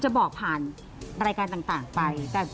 จะบอกผ่านรายการต่างไปแต่พี่ดาวเชื่ออย่างนี้